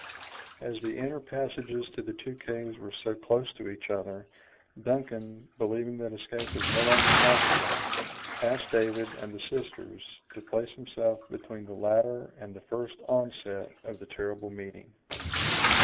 As the inner passages to the two caves were so close to each other, Duncan, believing that escape was no longer possible, passed David and the sisters, to place himself between the latter and the first onset of the terrible meeting.